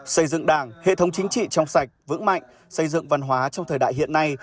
xây dựng đảng hệ thống chính trị trong sạch vững mạnh xây dựng văn hóa trong thời đại hiện nay